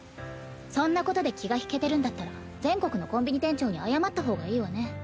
そんなことで気が引けてるんだったら全国のコンビニ店長に謝った方がいいわね。